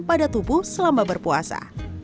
pada tubuh selama berpuasa